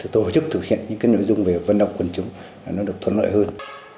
tổ chức thực hiện những nội dung về vận động quân chúng nó được thuận lợi hơn